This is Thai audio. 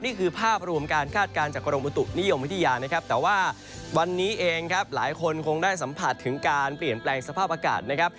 นี่คือภาพรวมการคาดการณ์จากกรมบุตุนิยมวิทยานะครับแต่ว่าวันนี้เองครับหลายคนคงได้สัมผัสถึงการเปลี่ยนแปลงสภาพอากาศนะครับ